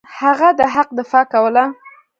هغه د حق دفاع کوله.